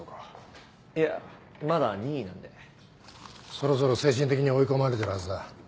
そろそろ精神的に追い込まれてるはずだ。